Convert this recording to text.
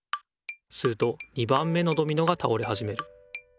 すると２番目のドミノが倒れはじめる。